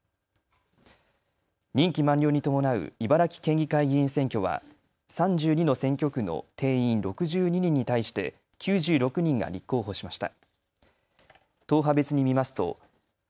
任期満了に伴う茨城県議会議員選挙は３２の選挙区の定員６２人に対して９６人が立候補しました。